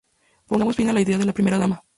Pongamos fin a la idea de la primera dama.